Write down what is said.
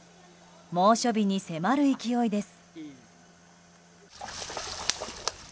猛暑日に迫る勢いです。